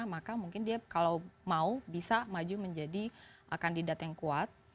maka mungkin dia kalau mau bisa maju menjadi kandidat yang kuat